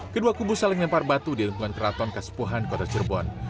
kedua kubu saling lempar batu di lingkungan keraton kaspuhan kota cirebon